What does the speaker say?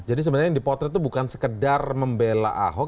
jadi sebenarnya yang dipotret itu bukan sekedar membela ahok